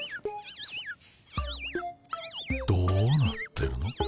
どうなってるの？